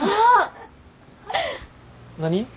何？